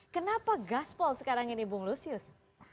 kenapa gaspol sekarang ini bung lusius